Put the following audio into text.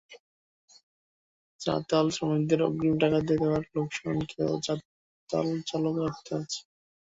চাতালশ্রমিকদের অগ্রিম টাকা দিয়ে দেওয়ায় লোকসান খেয়েও চাতাল চালু রাখতে হচ্ছে।